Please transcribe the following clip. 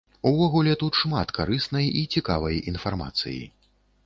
Увогуле тут шмат карыснай і цікавай інфармацыі.